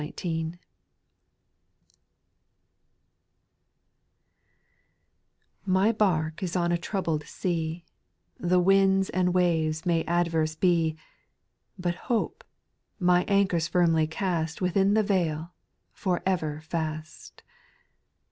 liTY bark is on a troubled sea ; iTX The winds and waves may adverse be ; But hope, my anchor's firmly cast Within the vail, for ever fast.